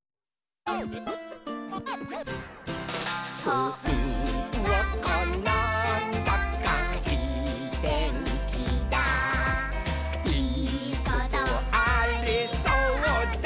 「ほんわかなんだかいいてんきだいいことありそうだ！」